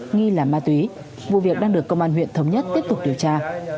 nghi là ma túy vụ việc đang được công an huyện thống nhất tiếp tục điều tra